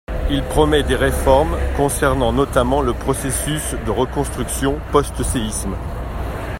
Il promet des réformes, concernant notamment le processus de reconstruction post-séisme.